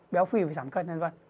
béo phì phải giảm cân v v